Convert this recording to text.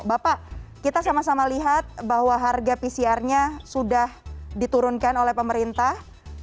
bapak kita sama sama lihat bahwa harga pcr nya sudah diturunkan oleh pemerintah